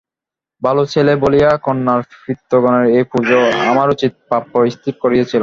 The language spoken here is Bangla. ভালো ছেলে বলিয়া কন্যার পিতৃগণের এই পূজা আমার উচিত প্রাপ্য স্থির করিয়াছিলাম।